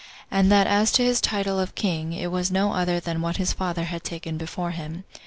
And that as to his title [of king], it was no other than what his father had taken [before him].